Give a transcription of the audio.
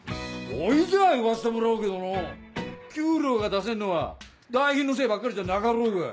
ほいじゃあ言わせてもらうけどのう給料が出せんのは代品のせいばっかりじゃなかろうが。